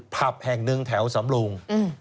ผับแห่งหนึ่งแถวสำรุง